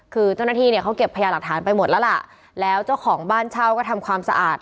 คือเจ้าหน้าที่เนี่ยเขาเก็บพยาหลักฐานไปหมดแล้วล่ะแล้วเจ้าของบ้านเช่าก็ทำความสะอาด